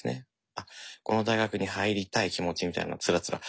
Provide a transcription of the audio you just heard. あっこの大学に入りたい気持ちみたいなのをつらつらしゃべってる。